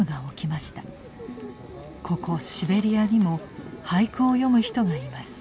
ここシベリアにも俳句を詠む人がいます。